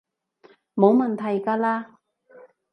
冇問題㗎喇